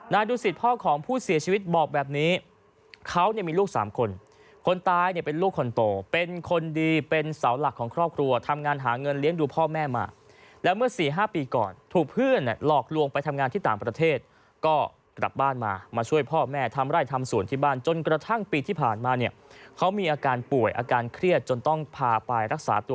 ดูสิตพ่อของผู้เสียชีวิตบอกแบบนี้เขาเนี่ยมีลูกสามคนคนตายเนี่ยเป็นลูกคนโตเป็นคนดีเป็นเสาหลักของครอบครัวทำงานหาเงินเลี้ยงดูพ่อแม่มาแล้วเมื่อสี่ห้าปีก่อนถูกเพื่อนหลอกลวงไปทำงานที่ต่างประเทศก็กลับบ้านมามาช่วยพ่อแม่ทำไร่ทำสวนที่บ้านจนกระทั่งปีที่ผ่านมาเนี่ยเขามีอาการป่วยอาการเครียดจนต้องพาไปรักษาตัว